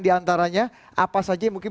di antaranya apa saja yang mungkin